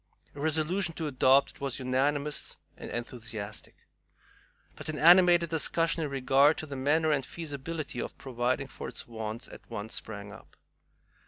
A resolution to adopt it was unanimous and enthusiastic. But an animated discussion in regard to the manner and feasibility of providing for its wants at once sprang up.